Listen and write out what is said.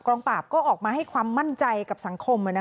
ปราบก็ออกมาให้ความมั่นใจกับสังคม